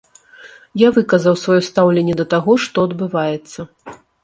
Я выказаў сваё стаўленне да таго, што адбываецца.